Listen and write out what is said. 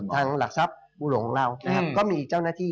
ทางหลักทรัพย์บุโรงของเราก็มีเจ้าหน้าที่